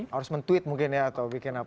harus men tweet mungkin ya atau bikin apa